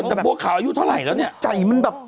เอ๊ยคนเลว